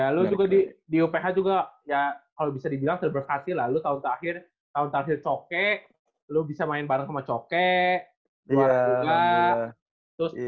ya lu juga di uph juga ya kalau bisa dibilang terberkati lah lu tahun terakhir tahun terakhir cokek lu bisa main bareng sama cokek